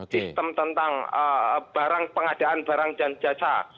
sistem tentang barang pengadaan barang dan jasa